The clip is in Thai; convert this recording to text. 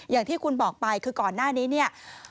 อย่างที่คุณบอกไปคือก่อนหน้านี้เนี่ย